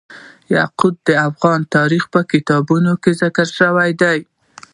یاقوت د افغان تاریخ په کتابونو کې ذکر شوی دي.